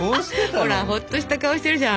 ほらほっとした顔してるじゃん。